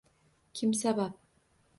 Kim sabab?